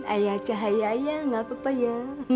ayah cahaya ayah gak apa apa ya